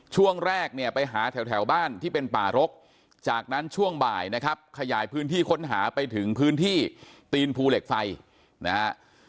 ช่วงแรกเนี่ยไปหาแถวบ้านที่เป็นป่ารกจากนั้นช่วงบ่ายนะครับขยายพื้นที่ค้นหาไปถึงพื้นที่ตีนภูเหล็กไฟนะฮะ